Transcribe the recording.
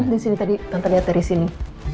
di sini tadi tanpa lihat dari sini